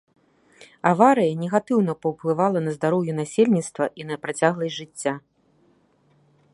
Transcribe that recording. Аварыя негатыўна паўплывала на здароўе насельніцтва і на працягласць жыцця.